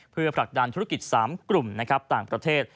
เพื่อผลักดันธุรกิจ๓กลุ่มต่างประเทศ